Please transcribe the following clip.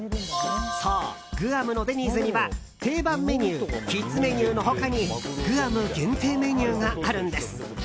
そう、グアムのデニーズには定番メニューキッズメニューの他にグアム限定メニューがあるんです。